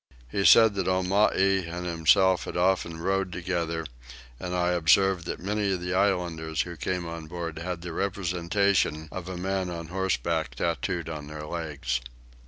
He said that Omai and himself had often rode together, and I observed that many of the islanders who came on board had the representation of a man on horseback tattooed on their legs.